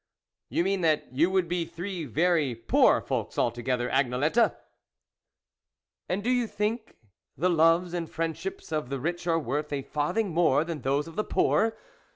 "You mean that you would be three very poor folks together, Agnelette !"" And do you think the loves and friendships of the rich are worth a farthing more than those of the poor